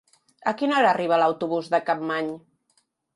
A quina hora arriba l'autobús de Capmany?